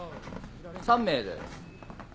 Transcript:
３名です。